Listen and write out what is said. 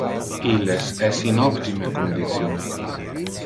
Illes es in optime condition.